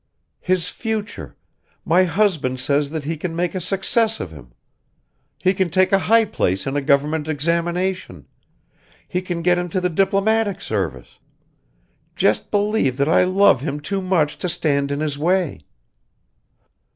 "His future ... My husband says that he can make a success of him. He can take a high place in a Government examination; he can get into the diplomatic service. Just believe that I love him too much to stand in his way.